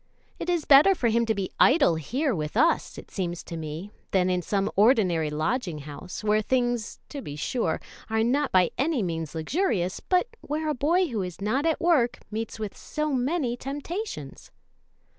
It is better for him to be idle here with us, it seems to me, than in some ordinary lodging house, where things, to be sure, are not by any means luxurious, but where a boy who is not at work meets with so many temptations."